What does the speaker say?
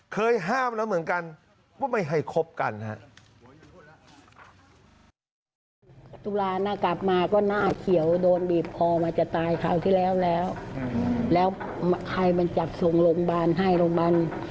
เคยห้ามแล้วเหมือนกันว่าไม่ให้คบกันฮะ